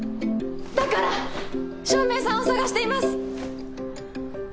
だから照明さんを探しています！